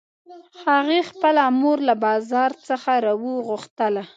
هغې خپله مور له بازار څخه راوغوښتله